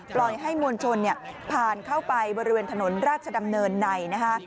ปล่อยให้มวลชนผ่านเข้าไปบริเวณถนนราชดำเนินในนะคะ